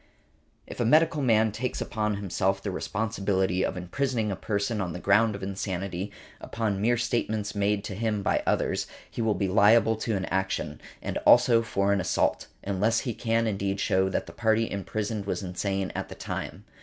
|146| If a medical man takes upon himself the responsibility of imprisoning a person on the ground of insanity, upon mere statements made to him by others, he will be liable to an action, and also for an assault, unless he can indeed show that the party imprisoned was insane at the time .